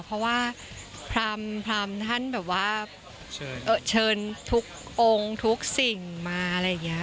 เพราะว่าพรามท่านแบบว่าเชิญทุกองค์ทุกสิ่งมาอะไรอย่างนี้